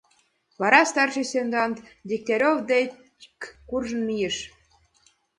Вара старший сержант Дегтярев дек куржын мийыш.